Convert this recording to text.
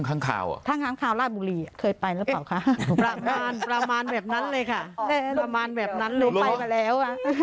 ประมาณแบบนั้นรู้ไปกว่าแล้ว